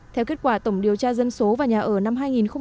theo kết quả tổng điều tra dân số và nhà ở năm hai nghìn một mươi chín